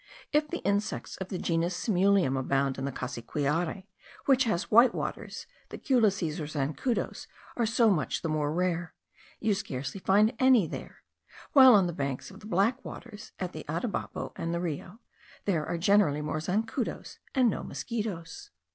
If the insects of the genus Simulium abound in the Cassiquiare, which has white waters, the culices or zancudos are so much the more rare; you scarcely find any there; while on the rivers of black waters, in the Atabapo and the Rio, there are generally some zancudos and no mosquitos.